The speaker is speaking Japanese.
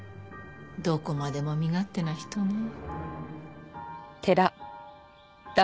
どこまでも身勝手な人ね。